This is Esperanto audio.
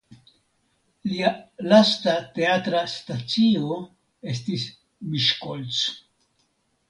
Lia lasta teatra stacio estis Miskolc.